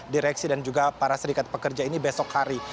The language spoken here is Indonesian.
direksi dan juga para serikat pekerja ini besok hari